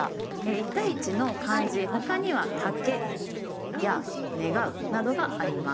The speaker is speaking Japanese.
１対１の漢字他には「竹」や「『願』う」などがあります。